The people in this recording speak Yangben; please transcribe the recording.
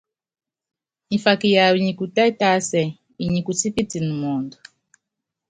Mfaka yawu nyi kutɛ́ tásɛ, inyi kutípitɛn mɔɔnd.